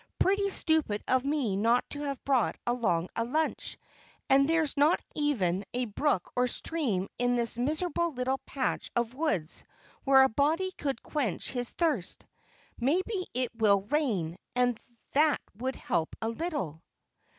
"Pretty stupid of me not to have brought along a lunch, and there's not even a brook or stream in this miserable little patch of woods where a body could quench his thirst. Maybe it will rain, and that would help a little."